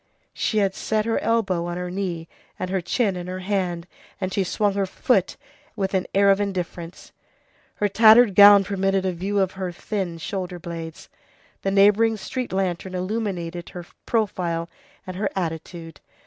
She had set her elbow on her knee and her chin in her hand, and she swung her foot with an air of indifference. Her tattered gown permitted a view of her thin shoulder blades. The neighboring street lantern illuminated her profile and her attitude.